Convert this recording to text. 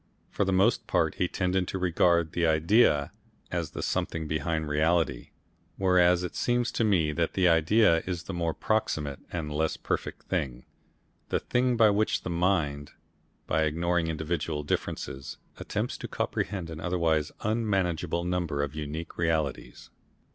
For the most part he tended to regard the idea as the something behind reality, whereas it seems to me that the idea is the more proximate and less perfect thing, the thing by which the mind, by ignoring individual differences, attempts to comprehend an otherwise unmanageable number of unique realities.